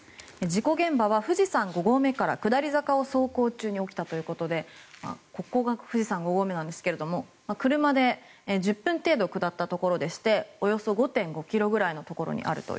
事故現場は富士山５合目から下り坂を走行中に起きたということでここが富士山の５合目ですが車で１０分程度下ったところでしておよそ５．５ｋｍぐらいのところにあると。